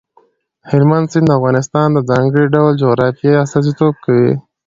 هلمند سیند د افغانستان د ځانګړي ډول جغرافیه استازیتوب کوي.